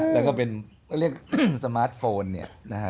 แล้วก็เป็นสมาร์ทโฟนเนี่ยนะฮะ